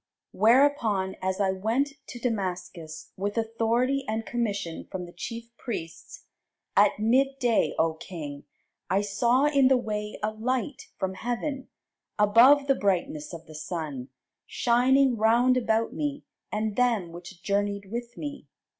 Whereupon as I went to Damascus with authority and commission from the chief priests, at midday, O king, I saw in the way a light from heaven, above the brightness of the sun, shining round about me and them which journeyed with me.